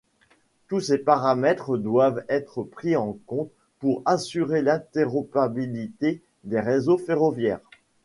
Tous ces paramètres doivent être pris en compte pour assurer l'interopérabilité des réseaux ferroviaires.